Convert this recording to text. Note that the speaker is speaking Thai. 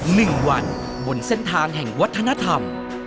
หนึ่งวันบนเส้นทางแห่งวัฒนธรรม